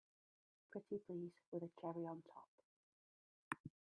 Pretty please with a cherry on top!